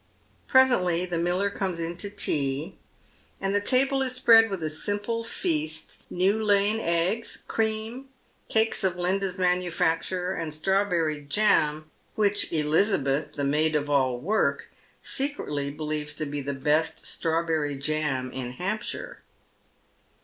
Presently tlie miller comes in to tea, and the table is spread with a simple feast, new laid eggs, cream, cakes of Linda's manu facture, and strawberry jam, which Elizabeth, the maid of all work, secretly believes to be the best strawberry jam in Hampshire.